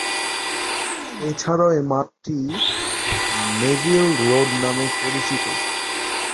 এছাড়াও, এ মাঠটি নেভিল রোড নামে পরিচিত।